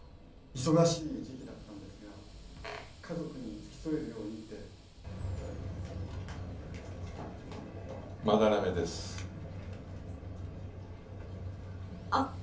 忙しい時期だったんですが家族に付き添えるようにって斑目ですあっ